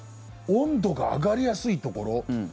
温度が上がりやすいところ？